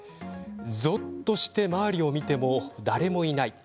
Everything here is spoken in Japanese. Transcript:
ぞっとして周りを見ても誰もいない。